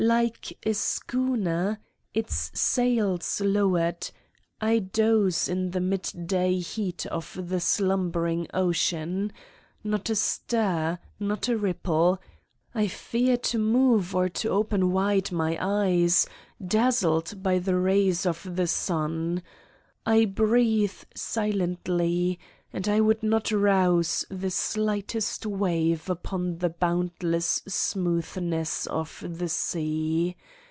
Like a schooner, its sails lowered, I doze in the midday heat of the slumbering ocean. Not a stir. Not a ripple. I fear to move or to open wide my eyes, dazzled by the rays of the sun. I breathe silently, and I would not rouse the slightest wave upon the boundless smoothness of the sea.